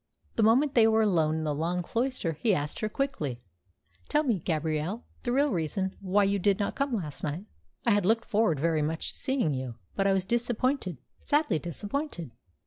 The moment they were alone in the long cloister he asked her quickly, "Tell me, Gabrielle, the real reason why you did not come last night. I had looked forward very much to seeing you. But I was disappointed sadly disappointed."